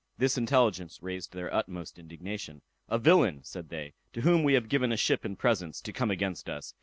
This intelligence raised their utmost indignation. "A villain!" said they, "to whom we have given a ship and presents, to come against us!